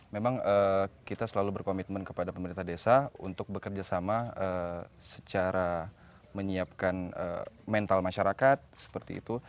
memang kita selalu berkomitmen kepada pemerintah desa untuk bekerja sama secara menyiapkan mental masyarakat seperti itu